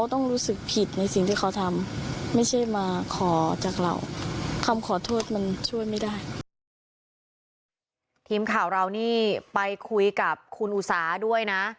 ทีมข่าวเรานี่ไปคุยกับคุณอุสาด้วยนะ